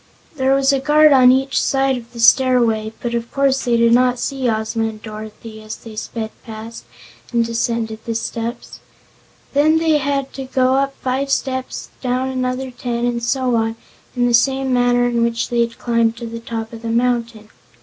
There was a guard on each side of the stairway, but of course they did not see Ozma and Dorothy as they sped past and descended the steps. Then they had to go up five steps and down another ten, and so on, in the same manner in which they had climbed to the top of the mountain.